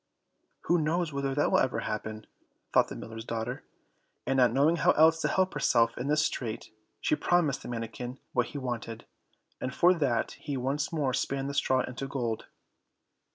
"Who knows whether that will ever happen?" thought the miller's daughter; and, not knowing how else to help herself in this strait, she promised the manikin what he wanted, and for that he once more span the straw into gold.